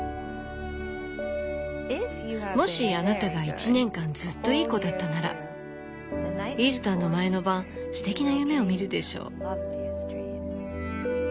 「もしあなたが１年間ずっといい子だったならイースターの前の晩ステキな夢をみるでしょう」。